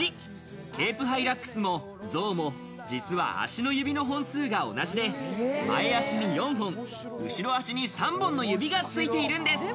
ケープハイラックスも象も実は足の指の本数が同じで、前足に４本、後ろ足に３本の指がついているんです。